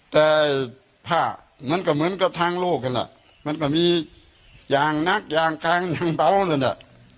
แต่ผ้ามันก็เหมือนกับทางโลกนั่นแหละมันก็มีอย่างหนักอย่างกลางอย่างเบานั่นน่ะ